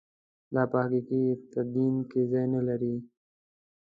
دا په حقیقي تدین کې ځای نه لري.